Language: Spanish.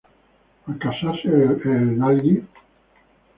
Al casarse el Gral.